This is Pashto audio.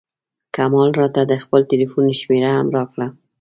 کمال راته د خپل ټیلفون شمېره هم راکړه.